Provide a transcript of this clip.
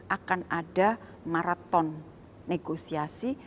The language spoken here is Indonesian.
akan ada maraton negosiasi